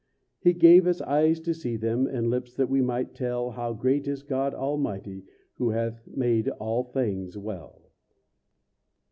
He gave us eyes to see them, And lips that we might tell How great is God Almighty, Who hath made all things well.